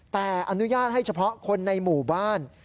แต่อนุญาตให้เฉพาะคนในหมู่บ้าน